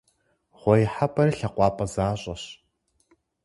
Гъуэ ихьэпӀэри лъакъуапӀэ защӀэщ.